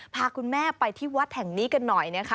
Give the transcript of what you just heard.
พาคุณแม่ไปที่วัดแห่งนี้กันหน่อยนะคะ